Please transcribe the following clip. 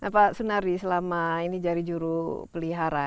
pak sunardi selama ini jadi juru pelihara